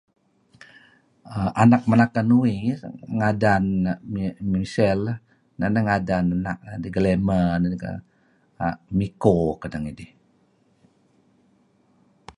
{er] anak menaken uih ngadan neh Michele, Neh ngadan glamour nedih 'Miko' kedeh ngidih.